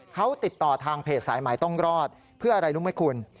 เขาติดต่อทางเพจสายหมายต้องรอดเพื่ออะไรรู้ไหมคุณ